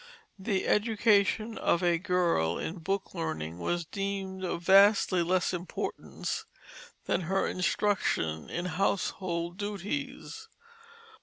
The education of a girl in book learning was deemed of vastly less importance than her instruction in household duties.